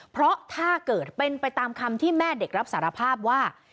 เพราะถ้าเกิดเป็นไปตามคำที่แม่เด็กรับสารภาพว่า